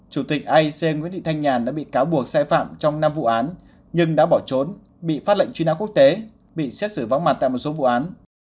chủ tịch aic nguyễn thị thanh nhàn đã bị cáo buộc sai phạm trong năm vụ án nhưng đã bỏ trốn bị phát lệnh truy nã quốc tế bị xét xử vắng mặt tại một số vụ án